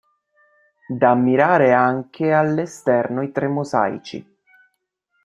Da ammirare anche, all'esterno i tre mosaici.